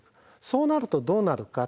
そうなるとどうなるか？